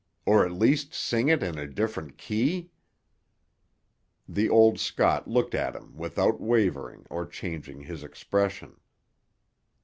Or at least sing it in a different key?" The old Scot looked at him without wavering or changing his expression.